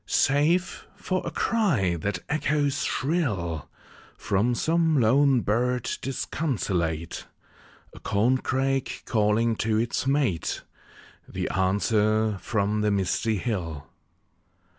Save for a cry that echoes shrill From some lone bird disconsolate; A corncrake calling to its mate; The answer from the misty hill.